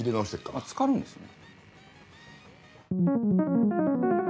あっつかるんですね？